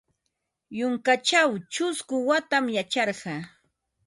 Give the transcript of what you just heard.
Yunkaćhaw ćhusku watam yacharqa.